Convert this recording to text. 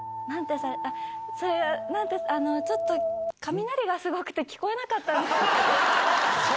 され、それはあの、ちょっと雷がすごくて聞こえなかったんです。